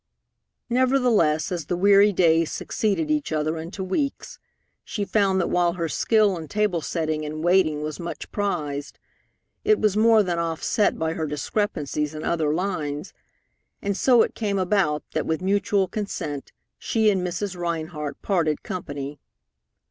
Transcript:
Nevertheless, as the weary days succeeded each other into weeks, she found that while her skill in table setting and waiting was much prized, it was more than offset by her discrepancies in other lines, and so it came about that with mutual consent she and Mrs. Rhinehart parted company.